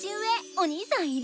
お兄さんいる？